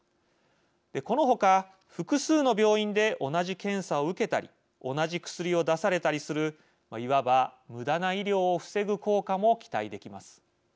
この他複数の病院で同じ検査を受けたり同じ薬を出されたりするいわばむだな医療を防ぐ効果も期待できます。